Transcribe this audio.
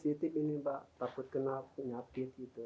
soalnya itu ulatnya sensitif ini mbak takut kena penyakit gitu